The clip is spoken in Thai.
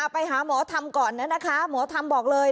ไปหาหมอทำก่อนนะคะหมอทำบอกเลย